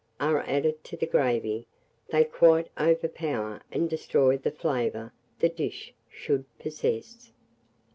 are added to the gravy, they quite overpower and destroy the flavour the dish should possess.